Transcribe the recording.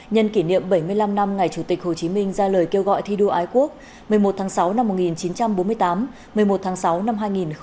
nhân kỷ niệm bảy mươi năm năm ngày chủ tịch hồ chí minh ra lời kêu gọi thi đua ái quốc một mươi một tháng sáu năm một nghìn chín trăm bốn mươi tám một mươi một tháng sáu năm hai nghìn một mươi chín